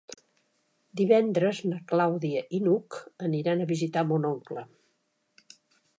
Divendres na Clàudia i n'Hug aniran a visitar mon oncle.